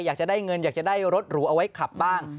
อยากจะได้เงินอยากจะได้รถหรูเอาไว้ขับบ้าง